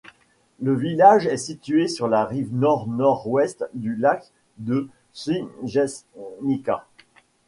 Le village est situé sur la rive nord-nord-ouest du lac de Sniježnica.